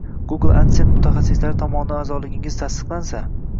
Google adsense mutaxassislari tomonidan a’zoligingiz tasdiqlansa